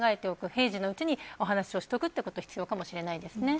平時のうちに話をしておくことも必要かもしれません。